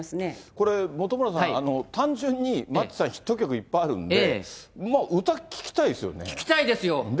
これ、本村さん、単純にマッチさん、ヒット曲いっぱいあるんで、歌聴きたいですよね。